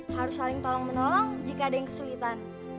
harus saling tolong menolong jika ada yang kesulitan